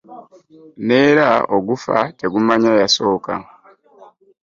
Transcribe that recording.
Neera ogufa tegumanya yasooka .